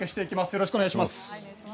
よろしくお願いします。